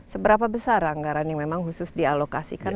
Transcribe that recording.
seberapa besar anggaran yang memang khusus dialokasikan